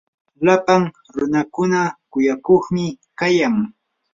lapan runakuna kuyakuqi kayan.